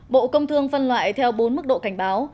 bộ công thương phân loại theo bốn mức độ cảnh báo